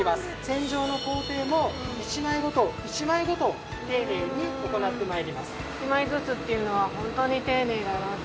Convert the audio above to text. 洗浄の工程も１枚ごと１枚ごと丁寧に行って参ります。